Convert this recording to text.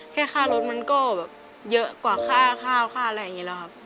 แค่ค่ารถมันก็แบบเยอะกว่าค่าข้าวค่าอะไรอย่างนี้แล้วครับ